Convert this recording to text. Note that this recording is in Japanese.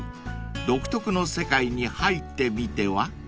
［独特の世界に入ってみては？］